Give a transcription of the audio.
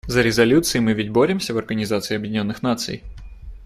За резолюции мы ведь боремся в Организации Объединенных Наций.